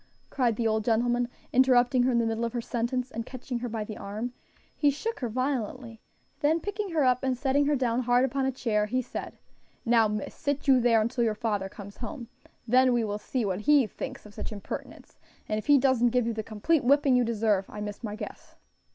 cried the old gentleman, interrupting her in the middle of her sentence; and catching her by the arm, he shook her violently; then picking her up and setting her down hard upon a chair, he said, "Now, miss, sit you there until your father comes home, then we will see what he thinks of such impertinence; and if he doesn't give you the complete whipping you deserve, I miss my guess."